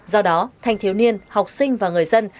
do đó thanh thiếu niên học sinh và người dân